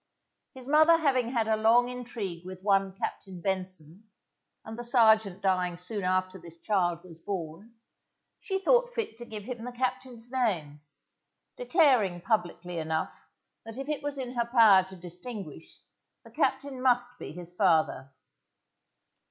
His mother having had a long intrigue with one Captain Benson and the serjeant dying soon after this child was born, she thought fit to give him the captain's name, declaring publicly enough, that if it was in her power to distinguish, the captain must be his father.